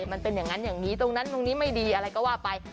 มันเป็นอย่างนั้นอย่างนี้ตรงนั้นตรงนี้ไม่ดีอะไรก็ว่าไป